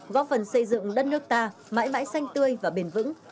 góp phần xây dựng đất nước ta mãi mãi xanh tươi và bền vững